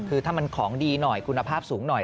คือถ้ามันของดีหน่อยคุณภาพสูงหน่อย